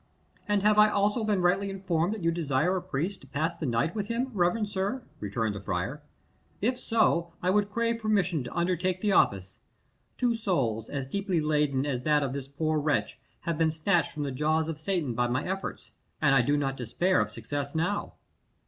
"And have I also been rightly informed that you desire a priest to pass the night with him, reverend sir?" returned the friar. "If so, I would crave permission to undertake the office. Two souls, as deeply laden as that of this poor wretch, have been snatched from the jaws of Satan by my efforts, and I do not despair of success now."